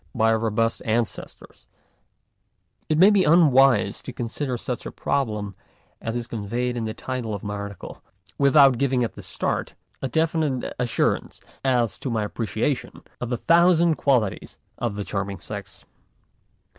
by our robust ancestors, it may be unwise to con sider such a problem as is conveyed in the title of my article without giving at the start a definite assurance as to my appreciation of the thousand qualities of the charming sex.